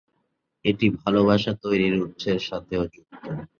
এটি "ভালবাসা তৈরির" উৎসের সাথেও যুক্ত।